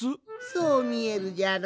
そうみえるじゃろ？